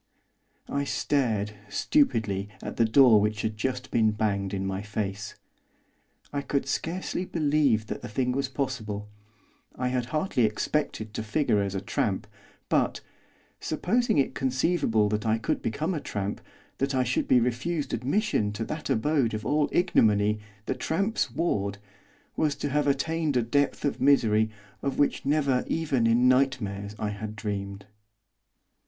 I stared, stupidly, at the door which had just been banged in my face. I could scarcely believe that the thing was possible. I had hardly expected to figure as a tramp; but, supposing it conceivable that I could become a tramp, that I should be refused admission to that abode of all ignominy, the tramp's ward, was to have attained a depth of misery of which never even in nightmares I had dreamed.